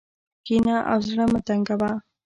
کښېنه او زړه مه تنګوه.